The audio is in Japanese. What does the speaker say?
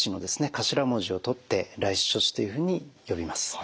頭文字を取ってＲＩＣＥ処置というふうに呼びます。